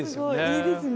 いいですね。